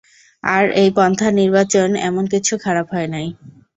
আর এই পন্থা-নির্বাচন এমন কিছু খারাপ হয় নাই।